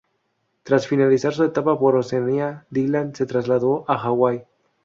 Tras finalizar su etapa por Oceanía, Dylan se trasladó a Hawaii.